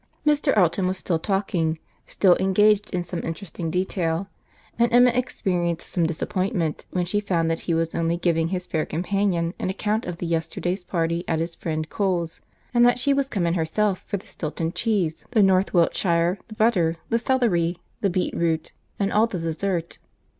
Mr. Elton was still talking, still engaged in some interesting detail; and Emma experienced some disappointment when she found that he was only giving his fair companion an account of the yesterday's party at his friend Cole's, and that she was come in herself for the Stilton cheese, the north Wiltshire, the butter, the celery, the beet root, and all the dessert.